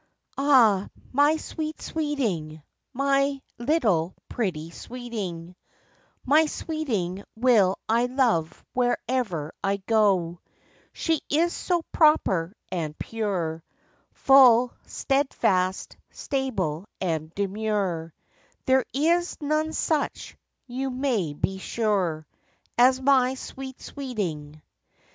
Ah, my sweet sweeting! My little pretty sweeting, My sweeting will I love wherever I go: She is so proper and pure, Full steadfast, stable, and demure, There is none such, you may be sure, As my sweet sweeting.